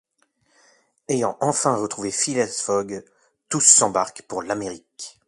Ayant enfin retrouvé Phileas Fogg, tous s'embarquent pour l'Amérique.